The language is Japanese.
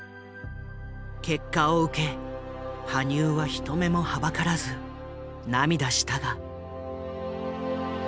結果を受け羽生は人目もはばからず涙したが。